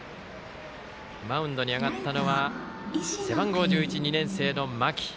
マウンドに上がったのは背番号１１、２年生の間木。